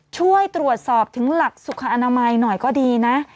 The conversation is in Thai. ช่วยตรวจสอบถึงหลักสุขอนามัยหน่อยก็ดีนะ